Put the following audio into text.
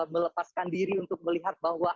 melepaskan diri untuk melihat bahwa